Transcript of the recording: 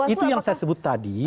itu yang saya sebut tadi